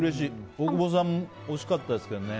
大久保さん惜しかったですけどね。